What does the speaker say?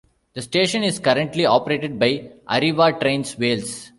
The station is currently operated by Arriva Trains Wales.